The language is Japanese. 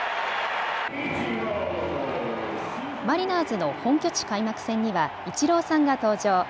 マリナーズの本拠地開幕戦にはイチローさんが登場。